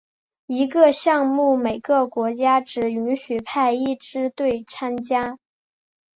一个项目每个国家只允许派一支队参加。